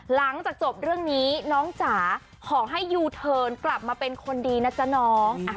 หลังจากจบเรื่องนี้น้องจ๋าขอให้ยูเทิร์นกลับมาเป็นคนดีนะจ๊ะน้อง